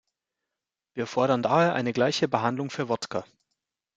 Wir fordern daher eine gleiche Behandlung für Wodka.